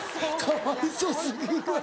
かわいそ過ぎるわ。